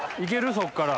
そっから。